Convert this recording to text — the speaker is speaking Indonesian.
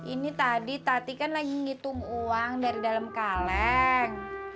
ini tadi tati kan lagi ngitung uang dari dalam kaleng